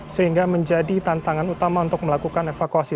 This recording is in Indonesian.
sehingga menjadi tantangan utama untuk melakukan evakuasi